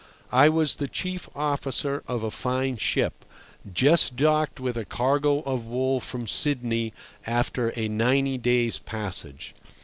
I was the chief officer of a fine ship, just docked with a cargo of wool from Sydney, after a ninety days' passage.